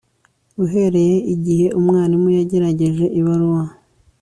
uhereye igihe umwarimu yagejeje ibaruwa